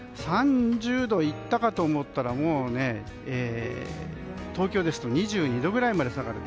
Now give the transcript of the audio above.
３０度いったかと思ったら東京ですと２２度くらいまで下がる。